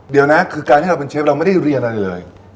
เดี๋ยวนะคือการที่เราเป็นเชฟเราไม่ได้เรียนอะไรเลย